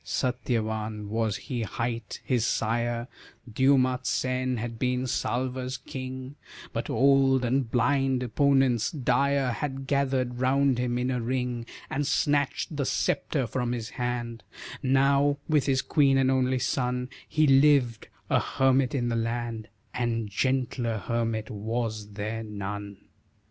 Satyavan was he hight, his sire Dyoumatsen had been Salva's king, But old and blind, opponents dire Had gathered round him in a ring And snatched the sceptre from his hand; Now, with his queen and only son He lived a hermit in the land, And gentler hermit was there none.